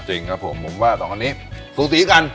จริงครับผมผมว่าสองคนนี้สูสีกัน